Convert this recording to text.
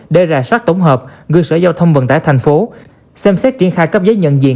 để ra sát tổng hợp gương sở giao thông vận tải thành phố xem xét triển khai cấp giấy nhận diện